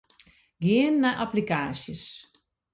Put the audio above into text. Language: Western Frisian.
Gean nei applikaasjes.